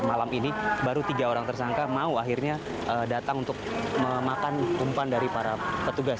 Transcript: malam ini baru tiga orang tersangka mau akhirnya datang untuk memakan umpan dari para petugas